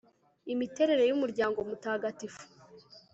imiterere y umuryango mutagatifu